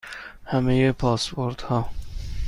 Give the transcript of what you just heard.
همه پاسپورت ها